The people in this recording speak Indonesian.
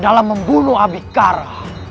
adalah membunuh abikara